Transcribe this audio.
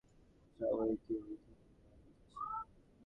শাওহেইকে ওখানে নিয়ে যাচ্ছি।